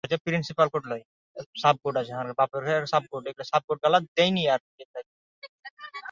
এই স্টেশনের নামের উৎপত্তি নিয়ে বিতর্ক রয়েছে।